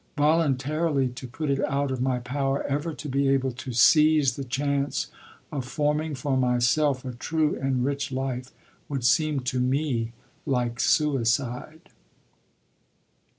Voluntarily to put it out of my power ever to be able to seize the chance of forming for myself a true and rich life would seem to me like suicide."